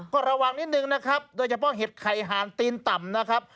ก็ระวังนิดนึงนะครับโดยเฉพาะเห็ดไข่หานตีนต่ำนะครับ